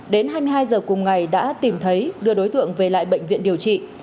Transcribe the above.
đến hai mươi hai giờ cùng ngày đã tìm thấy đưa đối tượng về lại bệnh viện điều trị